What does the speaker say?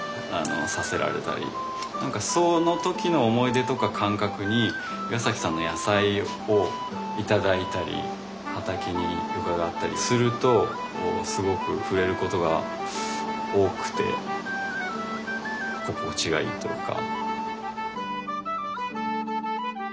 その時の思い出とか感覚に岩さんの野菜を頂いたり畑に伺ったりするとすごく触れることが多くて心地がいいというか。